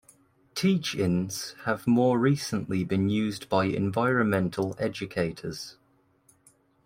Teach-ins have more recently been used by environmental educators.